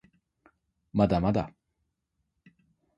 まだまだ